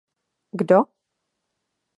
Kdo?